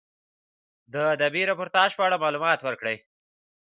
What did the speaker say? د ادبي راپورتاژ په اړه معلومات ورکړئ.